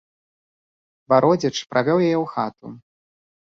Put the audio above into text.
Бародзіч правёў яе ў хату.